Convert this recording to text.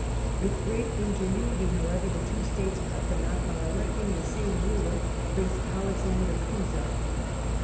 With great ingenuity, however, the two States cut the knot by electing the same ruler, Prince Alexander Couza.